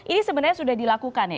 ini sebenarnya sudah dilakukan ya